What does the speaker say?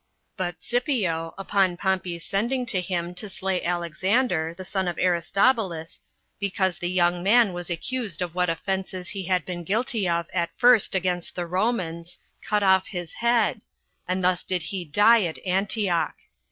But Scipio, upon Pompey's sending to him to slay Alexander, the son of Aristobulus, because the young man was accused of what offenses he had been guilty of at first against the Romans, cut off his head; and thus did he die at Antioch.